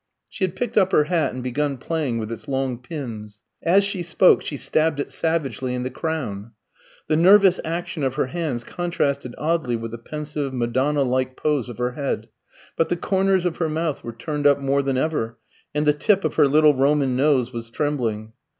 She had picked up her hat and begun playing with its long pins. As she spoke she stabbed it savagely in the crown. The nervous action of her hands contrasted oddly with the pensive Madonna like pose of her head, but the corners of her mouth were turned up more than ever, and the tip of her little Roman nose was trembling.